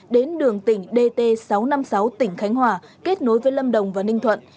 đến đường tỉnh dt sáu trăm năm mươi sáu tỉnh khánh hòa kết nối với lâm đồng và ninh thuận